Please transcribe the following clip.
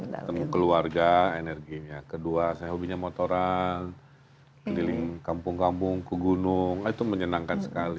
ketemu keluarga energinya kedua saya hobinya motoran keliling kampung kampung ke gunung itu menyenangkan sekali